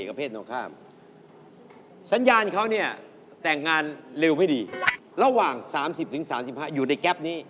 ระหว่างสามสิบถึงสามสิบห้ายอยู่ในแก๊บนี้